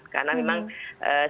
karena memang sekarang